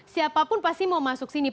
siapapun pasti mau masuk sini